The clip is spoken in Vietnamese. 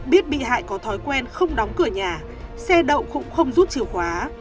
biết bị hại có thói quen không đóng cửa nhà xe đậu cũng không rút chìa khóa